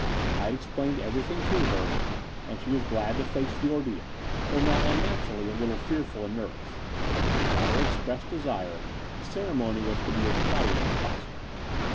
I had explained everjrthing to her, and she was glad to face the ordeal, though not un naturally a little fearful and nervous : but, at her expressed desire, the ceremony was to be as private as possible.